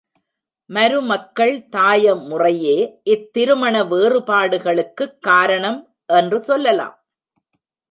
மருமக்கள் தாய முறையே இத் திருமண வேறுபாடுகளுக்குக் காரணம் என்று சொல்லலாம்.